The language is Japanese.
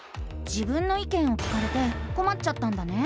「自分の意見」を聞かれてこまっちゃったんだね？